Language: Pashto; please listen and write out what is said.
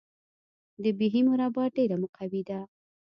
د بهي مربا ډیره مقوي ده.